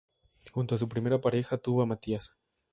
Junto a su primera pareja tuvo a Matías.